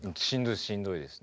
しんどいです。